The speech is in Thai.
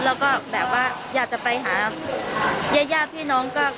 แล้วก็แบบว่าอยากจะไปหาญาติพี่น้องก็